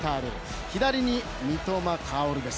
左に三笘薫です。